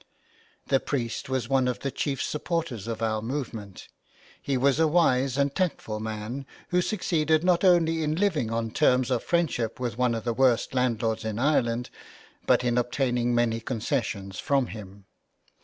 The priest was one of the chief supporters of our movement. He was a wise and tactful man, who succeeded not only in living on terms of friendship with one of the worst landlords in Ireland, but in obtaining many concessions from him.